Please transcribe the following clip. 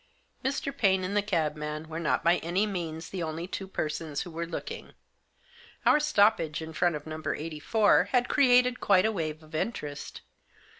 Mr. Paine and the cabman were not by any means the only two persons who were looking. Our stoppage in front of No. 84 had created quite a wave of interest.